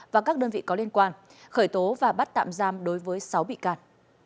và các đơn vị có liên quan khởi tố và bắt tạm giam đối với sáu bị can